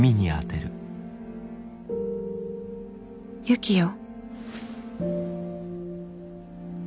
ユキよ。